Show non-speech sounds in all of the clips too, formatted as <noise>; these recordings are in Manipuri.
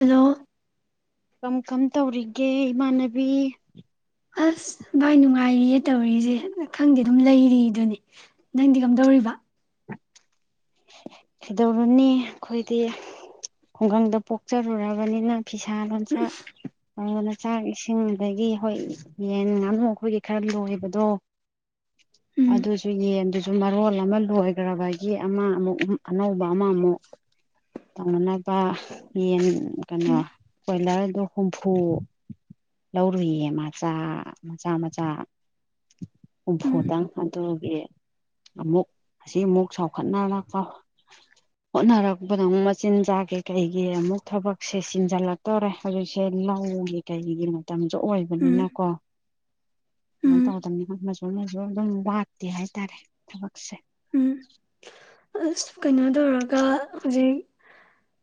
ꯍꯜꯂꯣ ꯀꯝ ꯀꯝ ꯇꯧꯔꯤꯒꯦ ꯏꯃꯥꯟꯅꯕꯤ ꯑꯁ ꯚꯥꯏ ꯅꯨꯡꯉꯥꯏꯔꯤꯌꯦ ꯇꯧꯔꯤꯁꯦ ꯈꯪꯗꯦ ꯑꯗꯨꯝ ꯂꯩꯔꯤꯗꯨꯅꯤ ꯅꯪꯗꯤ ꯀꯝꯗꯧꯔꯤꯕ ꯀꯩꯗꯧꯔꯅꯤ ꯑꯈꯣꯏꯗꯤ ꯈꯨꯡꯒꯪꯗ ꯄꯣꯛꯆꯔꯨꯔꯕꯅꯤꯅ ꯐꯤꯁꯥ ꯂꯣꯟꯁꯥ ꯑꯗꯨꯅ ꯆꯥꯛ ꯏꯁꯤꯡ ꯑꯗꯒꯤ ꯍꯣꯏ ꯌꯦꯟ ꯉꯥꯅꯨ ꯑꯩꯈꯣꯏꯒꯤ ꯈꯔ ꯂꯣꯏꯕꯗꯣ ꯎꯝ ꯑꯗꯨꯁꯨ ꯌꯦꯟꯗꯨꯁꯨ ꯃꯔꯣꯜ ꯑꯃ ꯂꯣꯏꯒ꯭ꯔꯕꯒꯤ ꯑꯃ ꯑꯃꯨꯛ ꯑꯅꯧꯕ ꯑꯃ ꯑꯃꯨꯛ ꯇꯧꯅꯅꯕ ꯌꯦꯟ ꯀꯩꯅꯣ ꯎꯝ ꯀꯣꯏꯂꯔꯗꯨ ꯍꯨꯝꯐꯨ ꯂꯧꯔꯨꯏꯌꯦ ꯃꯆꯥ ꯃꯆꯥ ꯃꯆꯥ ꯎꯝ ꯍꯨꯝꯐꯨꯗꯪ ꯑꯗꯨꯒꯤ ꯑꯃꯨꯛ ꯑꯁꯤ ꯑꯃꯨꯛ ꯁꯥꯎ ꯈꯠꯅꯔꯛꯄ ꯍꯣꯠꯅꯔꯛꯄꯗ ꯑꯃꯨꯛ ꯃꯆꯤꯟꯖꯥꯛꯀꯤ ꯀꯩꯒꯤ ꯑꯃꯨꯛ ꯊꯕꯛꯁꯦ ꯆꯤꯟꯖꯜꯂꯛꯇꯣꯔꯦ ꯍꯧꯖꯤꯛꯁꯦ ꯂꯧꯒꯤ ꯀꯩꯒꯤ ꯃꯇꯝꯁꯨ ꯎꯝ ꯑꯣꯏꯕꯅꯤꯅꯀꯣ ꯑꯗꯨꯨꯃꯥꯏꯅ ꯎꯝ ꯇꯧꯗꯝꯅꯤꯅ ꯑꯃꯁꯨ ꯑꯃꯁꯨ ꯑꯗꯨꯝ ꯋꯥꯠꯇꯦ ꯍꯥꯏꯇꯥꯔꯦ ꯊꯕꯛꯁꯦ ꯎꯝ ꯑꯁ ꯀꯩꯅꯣ ꯇꯧꯔꯒ ꯍꯨꯖꯤꯛ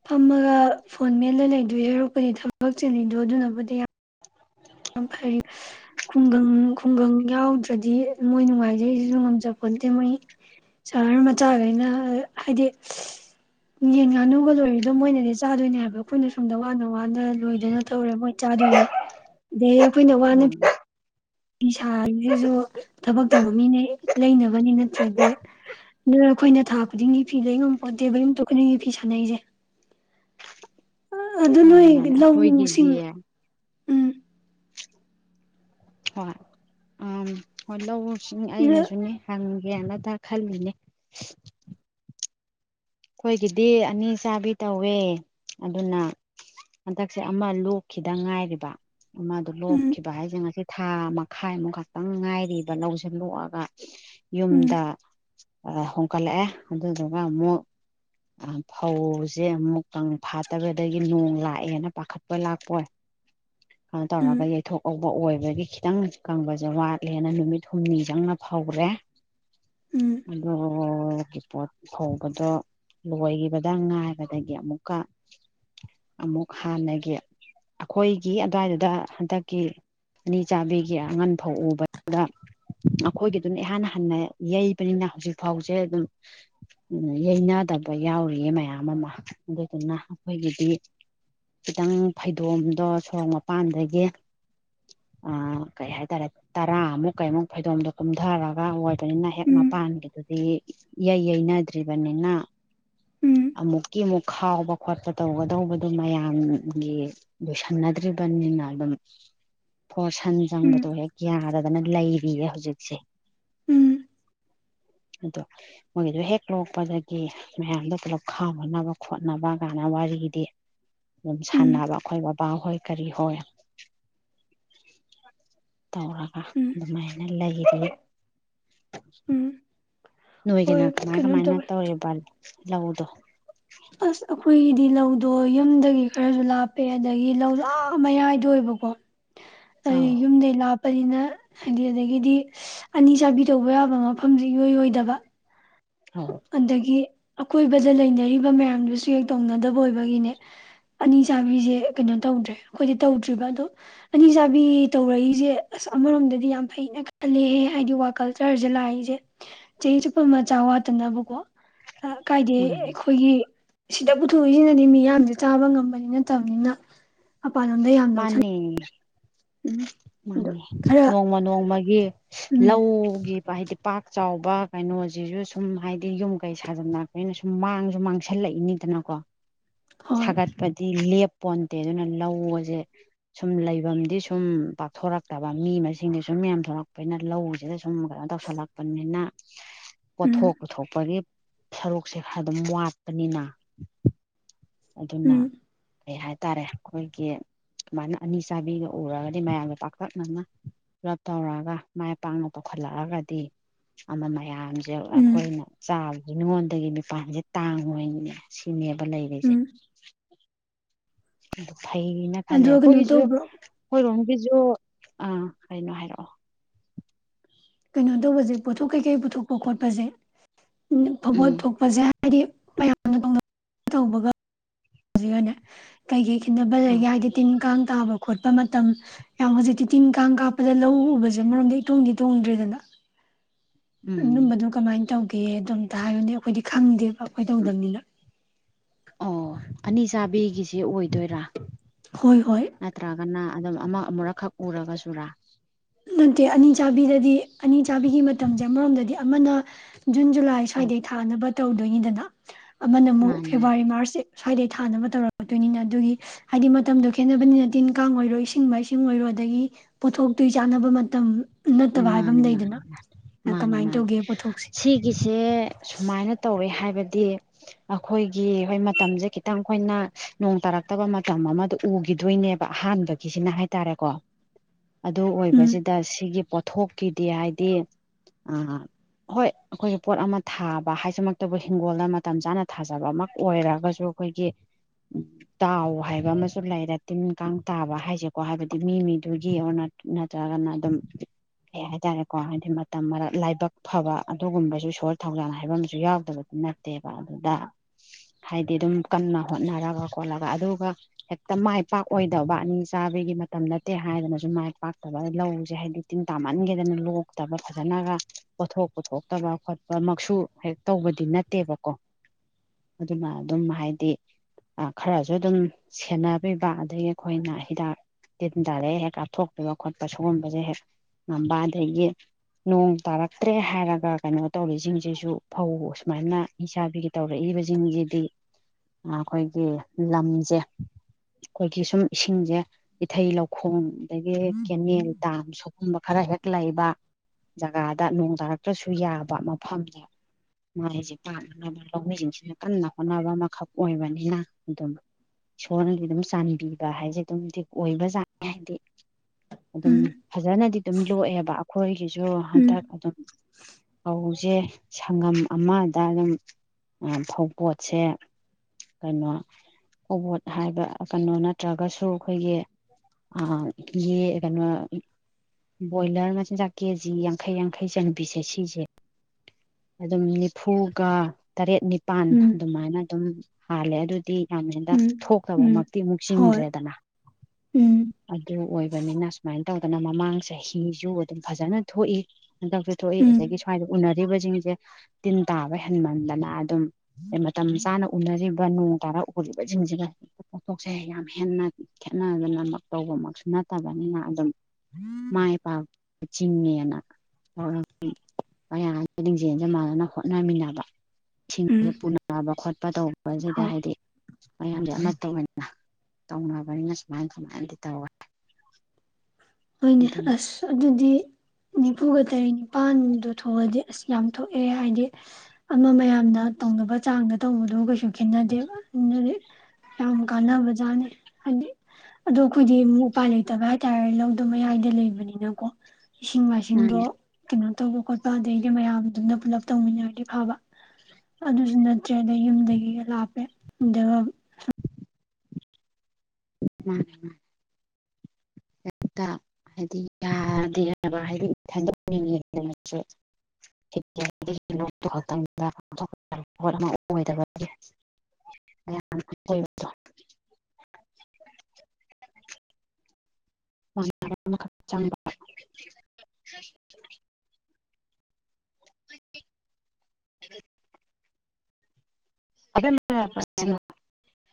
ꯐꯝꯃꯒ ꯐꯣꯟ ꯃꯦꯠꯂꯒ ꯂꯩꯗꯣꯏ ꯁꯔꯨꯛꯄꯨꯗꯤ ꯊꯕꯛ ꯆꯤꯜꯂꯤꯗꯣ ꯑꯗꯨꯅꯕꯨꯗꯤ ꯌꯥꯝ ꯌꯥꯝ ꯐꯩ ꯈꯨꯡꯒꯪ ꯈꯨꯡꯒꯪ ꯌꯥꯎꯗ꯭ꯔꯗꯤ ꯃꯣꯏ ꯅꯨꯡꯉꯥꯏꯖꯩꯁꯤꯁꯨ ꯉꯝꯖ ꯄꯣꯟꯇꯦ ꯃꯣꯏ ꯁꯍꯔ ꯃꯆꯥꯈꯩꯅ ꯍꯥꯏꯗꯤ <unintelligible> ꯌꯦꯟ ꯉꯥꯅꯨꯒ ꯂꯣꯏꯔꯤꯗꯣ ꯃꯣꯏꯅꯅꯤ ꯆꯥꯗꯣꯏꯅꯦ ꯍꯥꯏꯕ ꯑꯈꯣꯏꯅ ꯁꯣꯝꯗ ꯋꯥꯅ ꯋꯥꯅ ꯂꯣꯏꯗꯅ ꯇꯧꯔꯦ ꯃꯣꯏ ꯆꯥꯗꯣꯏꯅꯤ ꯑꯗꯩ ꯑꯩꯈꯣꯏꯅ ꯋꯥꯅ ꯎꯝ ꯐꯤ ꯁꯥꯥꯔꯤꯁꯤꯁꯨ ꯊꯕꯛ ꯇꯧꯕ ꯃꯤꯅꯦ ꯂꯩꯅꯕꯅꯤ ꯅꯠꯇ꯭ꯔꯗꯤ ꯑꯗꯨꯅ ꯑꯩꯈꯣꯏꯅ ꯊꯥ ꯈꯨꯗꯤꯡꯒꯤ ꯐꯤ ꯂꯩ ꯉꯝꯄꯣꯠꯇꯦꯕ ꯌꯨꯝꯊꯣꯡ ꯈꯨꯗꯤꯡꯒꯤ ꯐꯤ ꯁꯥꯟꯅꯩꯁꯦ ꯑꯗꯨ ꯃꯥꯅꯦ ꯅꯣꯏ ꯃꯥꯅꯦ ꯑꯩꯈꯣꯏꯒꯤꯗꯤ ꯂꯧꯁꯤꯡ ꯎꯝ ꯍꯣꯏ ꯑꯝ ꯍꯣꯢ ꯂꯧ ꯎꯝ ꯑꯩꯅꯁꯨꯅꯦ ꯍꯪꯒꯦꯅ ꯇ ꯈꯜꯂꯤꯅꯦ ꯑꯈꯣꯏꯒꯤꯗꯤ ꯑꯅꯤ ꯆꯥꯕꯤ ꯇꯧꯋꯦ ꯑꯗꯨꯅ ꯍꯟꯗꯛꯁꯦ ꯑꯃ ꯂꯣꯛꯈꯤꯗ ꯉꯥꯏꯔꯤꯕ ꯑꯃꯗꯨ ꯎꯝ ꯂꯣꯛꯈꯤꯕ ꯍꯥꯏꯁꯦ ꯉꯁꯤ ꯊꯥ ꯃꯈꯥꯏꯃꯨꯛ ꯈꯛꯇꯪ ꯉꯥꯏꯔꯤꯕ ꯂꯧꯁꯤ ꯂꯣꯛꯑꯒ ꯎꯝ ꯌꯨꯝꯗ ꯍꯣꯡꯒꯠꯂꯛꯑꯦ ꯑꯗꯨꯗꯨꯒ ꯑꯃꯨꯛ ꯑꯥ ꯐꯧꯁꯦ ꯑꯃꯨꯛ ꯀꯪ ꯐꯥꯠꯇꯕꯗꯒꯤ ꯅꯣꯡ ꯂꯥꯛꯑꯦꯅ ꯄꯥꯈꯠꯄꯣꯢ ꯂꯥꯛꯄꯣꯏ <inaudible> ꯑꯗꯨ ꯎꯝ ꯇꯧꯔꯒ ꯌꯩꯊꯣꯛꯑꯧꯕ ꯑꯣꯏꯕꯒꯤ ꯈꯤꯇꯪ ꯀꯪꯕꯁꯦ ꯋꯥꯠꯂꯦꯅ ꯅꯨꯃꯤꯠ ꯍꯨꯝꯅꯤ ꯆꯪꯅ ꯐꯧꯔꯦ ꯎꯝ ꯑꯗꯣꯒꯤ ꯄꯣꯠ ꯐꯧꯕꯗꯣ ꯂꯣꯏꯒꯤꯕꯗ ꯉꯥꯏꯕꯗꯒꯤ ꯑꯃꯨꯛꯀ ꯑꯃꯨꯛ ꯍꯥꯟꯅꯒꯤ ꯑꯩꯈꯣꯏꯒꯤ ꯑꯗꯨꯋꯥꯏꯗꯨꯗ ꯍꯟꯗꯛꯀꯤ ꯑꯅꯤ ꯆꯥꯕꯤꯒꯤ ꯑꯉꯟ ꯐꯥꯎ ꯎꯕꯗꯨꯗ ꯑꯈꯣꯏꯒꯤ ꯑꯗꯨꯅꯤ ꯏꯍꯥꯟ ꯍꯥꯟꯅ ꯌꯩꯕꯅꯤꯅ ꯍꯧꯖꯤꯛ ꯐꯥꯎꯁꯦ ꯑꯗꯨꯝ ꯌꯩꯅ ꯐꯠꯇꯕ ꯌꯥꯎꯔꯤꯌꯦ ꯃꯌꯥꯝ ꯑꯃ ꯑꯗꯨꯗꯨꯅ ꯑꯩꯒꯤꯗꯤ ꯈꯤꯇꯪ ꯐꯩꯗꯣꯝꯗꯣ ꯁꯣꯔꯣꯛ ꯃꯄꯥꯟꯗꯒꯤ ꯑ ꯀꯩ ꯍꯥꯏ ꯇꯥꯔꯦ ꯇꯔꯥꯃꯨꯛ ꯀꯩꯃꯨꯛ ꯐꯩꯗꯣꯝꯗꯣ ꯀꯨꯝꯊꯔꯒ ꯑꯣꯏꯕꯅꯤꯅ ꯍꯦꯛ ꯎꯝ ꯃꯄꯥꯟꯒꯤꯗꯨꯗꯤ ꯏꯌꯩ ꯌꯩꯅꯗ꯭ꯔꯤꯕꯅꯤꯅ ꯎꯝ ꯑꯃꯨꯛꯀꯤ ꯑꯃꯨꯛ ꯈꯥꯎꯕ ꯈꯣꯠꯄ ꯇꯧꯒꯗꯧꯕꯗꯣ ꯃꯌꯥꯝꯒꯤ ꯂꯣꯏꯁꯟꯅꯗ꯭ꯔꯤꯕꯅꯤꯅ ꯑꯗꯨꯝ ꯐꯣꯔ ꯁꯟ ꯆꯪꯕꯗꯣ ꯍꯦꯛ ꯌꯥꯗꯗꯅ ꯂꯩꯔꯤꯌꯦ ꯍꯧꯖꯤꯛꯁꯦ ꯑꯗꯣ ꯃꯣꯏꯒꯤꯗ ꯍꯦꯛ ꯂꯣꯛꯄꯗꯒꯤ ꯃꯌꯥꯝꯗꯣ ꯄꯨꯂꯞ ꯈꯥꯎꯅꯅꯕ ꯈꯣꯠꯅꯕ ꯀꯥꯏꯅ ꯋꯥꯔꯤꯗꯤ ꯑꯗꯨꯝ ꯎꯝ ꯎꯝ ꯁꯥꯟꯅꯕ ꯑꯩꯈꯣꯏ ꯕꯕꯥꯍꯣꯏ ꯀꯔꯤ ꯍꯣꯏ ꯇꯧꯔꯒ ꯎꯝ ꯑꯗꯨꯃꯥꯏꯅ ꯂꯩꯔꯤ ꯎꯝ ꯍꯣꯏ ꯅꯣꯏꯒꯤꯅ ꯀꯃꯥꯏ ꯀꯩꯅꯣ ꯀꯃꯥꯏꯅ ꯇꯧꯋꯦ ꯇꯧꯔꯤꯕ ꯂꯧꯗꯣ ꯑꯁ ꯑꯩꯈꯣꯏꯒꯤꯗꯤ ꯂꯧꯗꯣ ꯌꯨꯝꯗꯒꯤ ꯈꯔꯁꯨ ꯂꯥꯞꯄꯦ ꯑꯗꯒꯤ ꯂꯧꯗ ꯑꯥ ꯃꯌꯥꯏꯗ ꯑꯣꯏꯕꯀꯣ ꯑꯩ ꯑꯧ ꯌꯨꯝꯗꯩ ꯂꯥꯛ <unintelligible> ꯑꯅꯤ ꯆꯥꯕꯤ ꯇꯧꯕ ꯌꯥꯕ ꯃꯐꯝꯗꯤ ꯏꯑꯣꯢ ꯑꯣꯢꯗꯕ <unintelligible> ꯑꯗꯒꯤ ꯑꯀꯣꯏꯕꯗ ꯂꯩꯅꯔꯤꯕ ꯃꯌꯥꯝꯗꯨꯁꯨ ꯍꯦꯛ ꯇꯧꯅꯗꯕ ꯑꯣꯏꯕꯒꯤꯅꯦ ꯑꯅꯤ ꯆꯥꯕꯤꯁꯦ ꯀꯩꯅꯣ ꯇꯧꯗ꯭ꯔꯦ ꯑꯩꯈꯣꯏꯗꯤ ꯇꯧꯗ꯭ꯔꯤꯕ ꯑꯗꯣ ꯑꯅꯤ ꯆꯥꯕꯤ ꯇꯧꯔꯛꯏꯁꯦ ꯑꯁ ꯑꯃꯔꯣꯝꯗꯗꯤ ꯌꯥꯝ ꯐꯩꯅ ꯑꯅꯦꯍꯦ ꯍꯥꯏꯗꯤ ꯋꯥꯛ ꯀꯜꯆꯔꯁꯦ ꯂꯥꯛꯏꯁꯦ ꯆꯍꯤ ꯆꯨꯞꯄ ꯃꯆꯥꯛ ꯋꯥꯠꯇꯅꯕꯀꯣ ꯀꯥꯏꯗꯦ ꯃꯥꯅꯦ ꯑꯩꯈꯣꯏꯒꯤ ꯁꯤꯗ ꯄꯨꯊꯣꯛꯏꯁꯤꯅꯗꯤ ꯃꯤꯌꯥꯝꯁꯦ ꯆꯥꯕ ꯉꯝꯕꯅꯤꯅ ꯐꯠꯇꯕꯅꯤꯅ ꯃꯄꯥꯟꯂꯣꯝꯗ ꯌꯥꯝ ꯂꯧꯁꯟ ꯃꯥꯅꯦ ꯃꯥꯅꯦ ꯈꯔ ꯅꯣꯡꯃ ꯅꯣꯡꯃꯒꯤ ꯎꯝ ꯂꯧꯒꯤ ꯍꯥꯏꯗꯤ ꯄꯥꯛ ꯆꯥꯎꯕ ꯀꯩꯅꯣꯁꯤꯁꯨ ꯁꯨꯝ ꯍꯥꯏꯗꯤ ꯌꯨꯝ ꯀꯩ ꯁꯥꯖꯝꯂꯄꯅ ꯁꯨꯝ ꯃꯥꯡꯁꯨ ꯃꯥꯡꯁꯤꯜꯂꯛꯏꯅꯤꯗꯅꯀꯣ ꯍꯣꯏ ꯁꯥꯒꯠꯄꯗꯤ ꯂꯦꯞꯄꯣꯟꯇꯦ ꯑꯗꯨꯅ ꯂꯧꯁꯦ ꯁꯨꯝ ꯂꯩꯐꯝꯗꯤ ꯁꯨꯝ ꯄꯥꯛꯊꯣꯔꯛꯇꯕ ꯃꯤ ꯃꯁꯤꯡꯗ ꯁꯨꯝ ꯌꯥꯝ ꯊꯣꯛꯣꯔꯛꯄꯅꯤꯅ ꯂꯧꯁꯤꯗ ꯁꯨꯝ ꯀꯩꯅꯣ ꯇꯧꯁꯜꯂꯛꯄꯅꯤꯅ ꯎꯝ ꯄꯣꯠꯊꯣꯛ ꯄꯨꯊꯣꯛꯄꯒꯤ ꯁꯔꯨꯛꯁꯦ ꯈꯔ ꯑꯗꯨꯝ ꯋꯥꯠꯄꯅꯤꯅ ꯑꯗꯨꯅ ꯎꯝ ꯀꯩ ꯍꯥꯏꯇꯥꯔꯦ ꯑꯩꯈꯣꯏꯒꯤ ꯁꯨꯃꯥꯏꯅ ꯑꯅꯤ ꯆꯥꯕꯤꯒ ꯎꯔꯒꯗꯤ ꯃꯌꯥꯝꯒ ꯄꯥꯛꯇꯛꯅꯥꯅ ꯄꯨꯂꯞ ꯇꯧꯔꯛꯑꯒ ꯃꯥꯏ ꯄꯥꯛꯅ ꯄꯨꯈꯠꯂꯛꯑꯒꯗꯤ ꯑꯃ ꯃꯌꯥꯝꯁ ꯎꯝ ꯑꯩꯈꯣꯏꯅ ꯆꯥꯕꯁ ꯃꯤꯉꯣꯟꯗꯒꯤ ꯃꯤꯄꯥꯟꯁꯦ ꯇꯥꯡꯉꯣꯏꯅꯦ ꯁꯤꯅꯦꯕ ꯂꯩꯔꯤꯁꯦ ꯎꯝ ꯐꯩꯅ ꯑꯗꯣ ꯈꯜꯂꯦ ꯀꯩꯅꯣ ꯍꯣꯢꯒꯤꯁꯨ ꯇꯧꯕ꯭ꯔꯣ ꯍꯣꯏꯔꯣꯝꯒꯤꯁꯨ ꯑꯥ ꯀꯩꯅꯣ ꯍꯥꯏꯔꯛꯑꯣ ꯀꯩꯅꯣ ꯇꯧꯕꯁꯦ ꯄꯣꯠꯊꯣꯛ ꯀꯩꯀꯩ ꯄꯨꯊꯣꯛꯄ ꯈꯣꯠꯄꯁꯦ ꯐꯧꯕꯣꯠ ꯎꯝ ꯊꯣꯛꯄꯁꯦ ꯍꯥꯏꯗꯤ ꯃꯌꯥꯝꯅ <unintelligible> ꯍꯧꯖꯤꯛ ꯑꯣꯏꯅ ꯀꯩꯀꯩ ꯈꯤꯗ ꯕꯖꯔ ꯑꯥ ꯌꯥꯗꯦ ꯇꯤꯟ ꯀꯥꯡ ꯇꯥꯕꯀꯣ ꯈꯣꯠꯄ ꯃꯇꯝ ꯌꯥꯝ ꯍꯧꯖꯤꯛꯇꯤ ꯇꯤꯟ ꯀꯥꯡ ꯀꯥꯞꯄꯗ ꯂꯧ ꯎꯕꯁꯦ ꯃꯔꯝꯗꯤ ꯏꯇꯣꯡꯗꯤ ꯇꯣꯡꯗ꯭ꯔꯦꯗꯅ ꯎꯝ ꯑꯗꯨꯝꯕꯗꯨꯣ ꯀꯃꯥꯏꯅ ꯇꯧꯒꯦ ꯑꯣꯝꯇ ꯍꯥꯏꯔꯗꯤ ꯑꯩꯈꯣꯏꯗꯤ ꯈꯪꯗꯦꯕ ꯑꯩꯈꯣꯏ ꯇꯧꯗꯕꯅꯤꯅ ꯑꯣ ꯑꯅꯤ ꯆꯥꯕꯤꯒꯤꯁꯤꯦ ꯑꯣꯏꯗꯣꯏꯔꯥ ꯍꯣꯏ ꯍꯣꯏ ꯅꯠꯇ꯭ꯔꯒꯅ ꯑꯗꯨꯝ ꯑꯃ ꯑꯃꯨꯔꯛꯈꯛ ꯎꯔꯒꯁꯨꯔꯥ ꯅꯠꯇꯦ ꯑꯅꯤ ꯆꯥꯕꯤꯗꯗꯤ ꯑꯅꯤ ꯆꯥꯕꯤꯒꯤ ꯃꯇꯝꯁꯦ ꯑꯃꯔꯣꯝꯗꯗꯤ ꯑꯃꯅ ꯖꯨꯟ ꯖꯨꯂꯥꯏ ꯑꯧ ꯁ꯭ꯋꯥꯏꯗꯩ ꯊꯥꯅꯕ ꯇꯧꯗꯣꯏꯅꯤꯗꯅ ꯑꯃꯅ ꯑꯃꯨꯛ ꯃꯥꯅꯤ ꯃꯥꯅꯤ ꯐꯦꯕꯋꯥꯔꯤ ꯃꯥꯔꯁꯁꯦ ꯁ꯭ꯋꯥꯏꯗꯩ ꯊꯥꯅꯕ ꯇꯧꯔꯛꯇꯣꯏꯅꯤꯅ ꯑꯗꯨꯒꯤ ꯍꯥꯏꯗꯤ ꯃꯇꯝꯗꯣ ꯈꯦꯠꯅꯕꯅꯤꯅ ꯇꯤꯟ ꯀꯥꯡ ꯑꯣꯏꯔꯣ ꯏꯁꯤꯡ ꯃꯥꯏꯁꯤꯡ ꯑꯣꯏꯔꯣ ꯑꯗꯒꯤ ꯄꯣꯠꯊꯣꯛ ꯑꯗꯨꯢ ꯆꯥꯟꯅꯕ ꯃꯇꯝ ꯑꯃ ꯃꯥꯅꯦ ꯂꯩꯗꯅ ꯃꯥꯅꯦ ꯃꯥꯅꯦ ꯃꯥꯅꯦ ꯀꯃꯥꯏꯅ ꯃꯥꯅꯦ ꯇꯧꯒꯦ ꯄꯣꯠꯊꯣꯛꯁꯦ ꯁꯤꯛ ꯑꯩ ꯒꯤꯁꯦ ꯁꯨꯃꯥꯏꯅ ꯇꯧꯋꯦ ꯍꯥꯏꯕꯗꯤ ꯑꯩꯈꯣꯏꯒꯤ ꯍꯣꯏ ꯃꯇꯝꯁꯦ ꯈꯤꯇꯪ ꯑꯩꯈꯣꯏꯅ ꯅꯣꯡ ꯇꯥꯔꯛꯇꯕ ꯃꯇꯝ ꯑꯃꯗ ꯎꯈꯤꯗꯣꯏꯅꯦꯕ ꯑꯍꯥꯟꯕꯒꯤꯁꯤꯅ ꯍꯥꯏꯇꯥꯔꯦꯀꯣ ꯑꯗꯨ ꯎꯝ ꯑꯣꯏꯕꯁꯤꯗ ꯁꯤꯒꯤ ꯄꯣꯠꯊꯣꯛꯀꯤꯗꯤ ꯍꯥꯏꯗꯤ ꯑꯥ ꯍꯣꯏ ꯑꯩꯈꯣꯏꯒꯤ ꯄꯣꯠ ꯑꯃ ꯊꯥꯕ ꯍꯥꯏꯁꯤꯃꯛꯇꯕꯨ ꯍꯤꯡꯒꯣꯜꯗ ꯃꯇꯝ ꯆꯥꯅ ꯊꯥꯖꯕ ꯑꯃ ꯑꯣꯏꯔꯒꯁꯨ ꯑꯩꯈꯣꯏꯒꯤ ꯗꯥꯎ ꯍꯥꯏꯕ ꯑꯃꯁꯨ ꯂꯩꯔꯦ ꯇꯤꯟ ꯀꯥꯡ ꯇꯥꯕ ꯍꯥꯏꯁꯦꯀꯣ ꯍꯥꯏꯕꯗꯤ ꯃꯤ ꯃꯤꯗꯨꯒꯤ ꯑꯣꯏꯅ ꯅꯠꯇ꯭ꯔꯥꯒꯅ ꯑꯗꯨꯝ ꯀꯩ ꯍꯥꯏꯇꯥꯔꯦꯀꯣ ꯍꯥꯏꯗꯤ ꯃꯇꯝ ꯂꯥꯏꯕꯛ ꯐꯕ ꯑꯗꯨꯒꯨꯝꯕꯁꯨ ꯢꯁꯣꯔ ꯊꯧꯖꯥꯜ ꯍꯥꯏꯕ ꯑꯃꯁꯨ ꯌꯥꯎꯗꯕ ꯅꯠꯇꯦꯕ ꯑꯗꯨꯗ ꯍꯥꯏꯗꯤ ꯑꯗꯨꯝ ꯀꯟꯅ ꯍꯣꯠꯅꯔꯒ ꯈꯣꯠꯂꯒ ꯑꯗꯨꯒ ꯍꯦꯛꯇ ꯃꯥꯏ ꯄꯥꯛꯑꯣꯏꯗꯕ ꯑꯅꯤ ꯆꯥꯕꯒꯤ ꯃꯇꯝ ꯅꯠꯇꯦ ꯍꯥꯏꯗꯨꯅꯁꯨ ꯃꯥꯏ ꯄꯥꯛꯇꯕ ꯂꯧꯁꯦ ꯍꯥꯏꯗꯤ ꯇꯤꯡ ꯇꯥꯃꯥꯟꯈꯤꯗꯅ ꯂꯣꯛꯇꯕ ꯐꯖꯅꯒ ꯄꯣꯠꯊꯣꯛ ꯄꯨꯊꯣꯛꯇꯕ ꯈꯣꯠꯄ ꯃꯛꯁꯨ ꯍꯦꯛ ꯇꯧꯕꯗꯤ ꯅꯠꯇꯦꯕꯀꯣ ꯑꯗꯨꯝꯃꯥꯢꯅꯗꯤ ꯑꯗꯨꯝ ꯍꯥꯏꯗꯤ ꯈꯔꯁꯨ ꯑꯗꯨꯝ ꯁꯦꯟꯅꯕꯤꯕ ꯑꯗꯒꯤ ꯑꯩꯈꯣꯏꯅ ꯍꯤꯗꯥꯛ ꯇꯤꯟ ꯇꯥꯔꯦ ꯍꯦꯛ ꯀꯥꯞꯊꯣꯛꯄꯤꯕ ꯈꯣꯠꯄ ꯁꯤꯒꯨꯝꯕꯁꯦ ꯍꯦꯛ ꯉꯝꯕ ꯑꯗꯒꯤ__ ꯅꯣꯡ ꯇꯥꯔꯛꯇ꯭ꯔꯦ ꯍꯥꯏꯔꯒ ꯀꯩꯅꯣ ꯇꯧꯔꯤꯁꯤꯡꯁꯤꯁꯨ ꯐꯧ ꯁꯨꯃꯥꯏꯅ__ ꯏꯁꯥꯕꯤꯒ ꯇꯧꯔꯛꯏꯕꯁꯤꯡꯁꯤꯗꯤ ꯑꯈꯣꯏꯒꯤ ꯂꯝꯖꯦ__ ꯑꯩꯈꯣꯏꯒꯤ ꯁꯨꯝ ꯏꯁꯤꯡꯖꯦ ꯏꯊꯩ ꯂꯧꯈꯣꯡ ꯑꯗꯒꯤ ꯀꯦꯅꯦꯜ ꯗꯥꯝ ꯁꯣꯛ__ ꯁꯤꯒꯨꯝꯕ ꯈꯔ ꯍꯦꯛ ꯂꯩꯕ ꯖꯒꯥꯗ ꯅꯣꯡ ꯇꯥꯔꯛꯇ꯭ꯔꯁꯨ ꯌꯥꯕ ꯃꯐꯝ ꯃꯥꯍꯩꯖꯦ ꯄꯥꯛꯅꯅꯕ ꯂꯧꯃꯤꯁꯤꯡꯁꯤꯅ ꯀꯟꯅ ꯍꯣꯠꯅꯕ ꯑꯃꯈꯛ ꯑꯣꯏꯕꯅꯤꯅ ꯑꯗꯨꯝ__ ꯁꯣꯔꯅꯗꯤ ꯑꯗꯨꯝ ꯆꯥꯟꯕꯤꯕ ꯍꯥꯏꯖꯦ ꯑꯗꯨꯝꯗꯤ ꯑꯣꯏꯕꯖꯥꯠꯅꯦ ꯍꯥꯢꯗꯤ__ ꯑꯗꯨꯝ ꯎꯝ ꯐꯖꯅꯗꯤ ꯑꯗꯨꯝ ꯂꯣꯛꯑꯦꯕ ꯑꯩꯈꯣꯏꯒꯤꯁꯨ ꯎꯝ ꯍꯟꯗꯛ ꯑꯗꯨꯝ__ ꯐꯧꯁꯦ ꯁꯪꯒꯝ ꯑꯃꯗ ꯑꯗꯨꯝ ꯑꯥ ꯐꯧꯄꯣꯠꯁꯦ__ ꯀꯩꯅꯣ ꯀꯣꯕꯣꯠ ꯍꯥꯏꯕ ꯀꯩꯅꯣ ꯅꯠꯇ꯭ꯔꯒꯁꯨ ꯑꯩꯈꯣꯏꯒꯤ__ ꯑꯥ ꯑꯦ ꯀꯩꯅꯣ__ ꯕꯣꯏꯂꯔ ꯃꯆꯤꯟꯖꯥꯛ ꯀꯦꯖꯤ ꯌꯥꯡꯈꯩ ꯌꯥꯡꯈꯩ ꯆꯟꯕꯤꯁꯦ ꯁꯤꯖꯦ__ ꯑꯗꯨꯝ ꯅꯤꯐꯨꯒ ꯇꯔꯦꯠ ꯅꯤꯄꯥꯜ ꯎꯝ ꯑꯗꯨꯃꯥꯏꯅ ꯑꯗꯨꯝ ꯍꯥꯜꯂꯦ ꯑꯗꯨꯗꯤ__ ꯌꯥꯝ ꯍꯦꯟꯅ ꯎꯝ ꯎꯝ ꯊꯣꯛꯇꯕꯃꯛꯇꯤ ꯑꯃꯨꯛ ꯍꯣꯏ ꯆꯤꯡꯗ꯭ꯔꯦꯗꯅ꯫ ꯎꯝ ꯑꯗꯨ ꯑꯣꯏꯕꯅꯤꯅ ꯁꯨꯃꯥꯏꯅ ꯇꯧꯗꯅ ꯃꯃꯥꯡ ꯆꯍꯤꯖꯨ ꯑꯗꯨꯝ ꯐꯖꯅ ꯊꯣꯛꯏ ꯍꯟꯗꯛ__ ꯊꯣꯛꯏ ꯎꯝ ꯑꯗꯒꯤ ꯁ꯭ꯋꯥꯏꯗ ꯎꯅꯔꯤꯕꯁꯤꯡꯖꯦ ꯇꯤꯟ ꯇꯥꯕ ꯍꯦꯟꯃꯟꯗꯅ ꯑꯗꯨꯝ__ ꯃꯇꯝ ꯆꯥꯅ ꯎꯅꯔꯤꯕ ꯅꯣꯡ ꯇꯥꯔꯥ ꯎꯔꯤꯕꯁꯤꯡꯁꯤꯒ__ ꯄꯣꯠꯊꯣꯛꯁꯦ ꯌꯥꯝ ꯍꯦꯟꯅ ꯈꯦꯠꯅꯗꯅꯃꯛ ꯇꯧꯕꯃꯛꯁꯨ ꯅꯠꯇꯕꯅꯤꯅ ꯑꯗꯨꯝ__ ꯃꯥꯏ ꯄꯥꯛ ꯆꯤꯡꯉꯦꯅ__ ꯃꯌꯥꯝꯁꯨ ꯂꯤꯡꯖꯦꯜ ꯖꯦ ꯃꯥꯟꯅꯅ ꯍꯣꯠꯅꯃꯤꯟꯅꯕ__ ꯎꯝ ꯁꯤꯡꯁꯦ ꯄꯨꯅꯕ ꯈꯣꯠꯄ ꯇꯧꯔꯛꯄꯁꯤꯗ ꯍꯣꯏ ꯍꯥꯏꯗꯤ__ ꯃꯌꯥꯝꯁꯦ ꯑꯃꯠꯇ ꯑꯣꯏꯅ ꯇꯧꯅꯕꯅꯤꯅ ꯁꯨꯃꯥꯏ ꯁꯨꯃꯥꯏꯅꯗꯤ ꯇꯧꯋꯦ꯫ ꯑꯣꯏꯅꯦ ꯑꯗꯨꯅ ꯑꯁ__ ꯑꯗꯨꯗꯤ ꯅꯤꯐꯨꯒ ꯇꯔꯦꯠ ꯅꯤꯄꯥꯜꯗꯣ ꯊꯣꯛꯑꯗꯤ ꯑꯁ ꯌꯥꯝ ꯊꯣꯛꯑꯦ ꯍꯥꯏꯗꯤ__ ꯑꯃ ꯃꯌꯥꯝꯅ ꯇꯧꯅꯕ ꯆꯥꯡꯗ ꯇꯧꯕꯗꯣ ꯀꯩꯁꯨ__ ꯈꯦꯠꯅꯗꯦꯕ ꯑꯗꯨꯗꯤ ꯌꯥꯝ ꯀꯥꯟꯅꯕꯖꯥꯠꯅꯤ ꯍꯥꯏꯗꯤ__ ꯑꯗꯣ ꯈꯣꯏꯗꯤ ꯎꯄꯥꯏ ꯂꯩꯇꯕ ꯍꯥꯏꯇꯥꯔꯦ ꯂꯧꯗꯣ ꯃꯌꯥꯏꯗ ꯂꯩꯕꯅꯤꯅꯀꯣ꯫ ꯏꯁꯤꯡ ꯃꯥꯏꯁꯤꯡꯗꯣ ꯃꯥꯅꯤ ꯀꯩꯅꯣ ꯇꯧꯕ ꯈꯣꯠꯄ ꯑꯗꯩꯗ ꯃꯌꯥꯝꯗꯨꯝꯅ ꯄꯨꯂꯞ ꯇꯧꯃꯤꯟꯅꯔꯗꯤ ꯐꯕ꯫ ꯑꯗꯨꯁꯨ ꯅꯠꯇ꯭ꯔꯦ ꯑꯗ ꯌꯨꯝꯗꯒꯤꯒ ꯂꯥꯞꯄꯦ ꯑꯗꯨꯒ__ ꯑꯝ ꯍꯥꯏꯗꯤ ꯌꯥꯗꯤ ꯍꯥꯏꯕ ꯍꯥꯏꯗꯤ <unintelligible> <unintelligible> <unintelligible> <unintelligible> ꯆꯪꯕ꯫ <inaudible> <unintelligible>